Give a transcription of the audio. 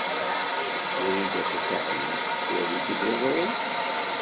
Wrida Tasaḥlit tettwali tiliẓri?